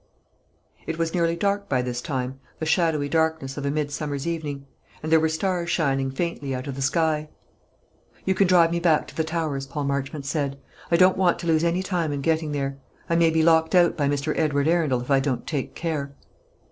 It was nearly dark by this time, the shadowy darkness of a midsummer's evening; and there were stars shining faintly out of the sky. "You can drive me back to the Towers," Paul Marchmont said. "I don't want to lose any time in getting there; I may be locked out by Mr. Edward Arundel if I don't take care."